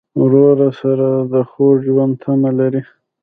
ورور سره د خوږ ژوند تمه لرې.